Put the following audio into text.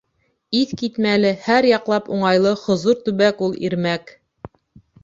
Иҫ китмәле, һәр яҡлап уңайлы, хозур төбәк ул Ирмәк!